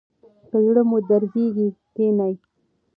که زړه مو درزیږي کښینئ.